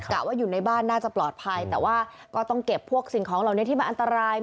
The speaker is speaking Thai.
ว่าอยู่ในบ้านน่าจะปลอดภัยแต่ว่าก็ต้องเก็บพวกสิ่งของเหล่านี้ที่มันอันตราย